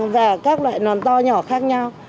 và các loại nón to nhỏ khác nhau